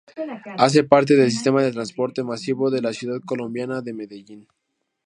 Hace parte del sistema de transporte masivo de la ciudad colombiana de Medellín.